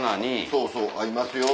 そうそう「合いますよ」